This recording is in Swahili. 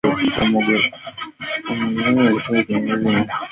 wa Morogoro yaani Kiongozi au Mwenyekiti wa Machifu Wakuu wa MorogoroMalkia au Mgoli